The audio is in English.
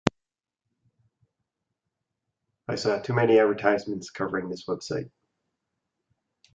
I saw too many advertisements covering this website.